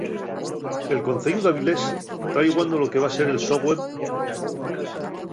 El Conceyu d'Avilés ta iguando lo que va ser el so web oficial.